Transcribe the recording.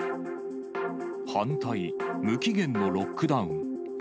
反対、無期限のロックダウン。